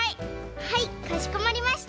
はいかしこまりました。